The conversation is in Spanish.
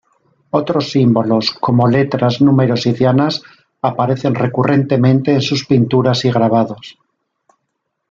Otros símbolos, como letras, números y dianas, aparecen recurrentemente en sus pinturas y grabados.